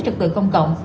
trật tự công cộng